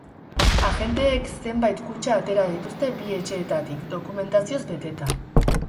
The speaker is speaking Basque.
Agenteek zenbait kutxa atera dituzte bi etxeetatik dokumentazioz beteta.